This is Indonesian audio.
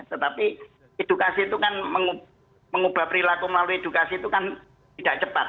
tetapi edukasi itu kan mengubah perilaku melalui edukasi itu kan tidak cepat